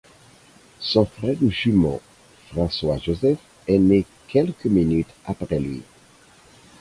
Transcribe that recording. Son frère jumeau, François-Joseph, est né quelques minutes après lui.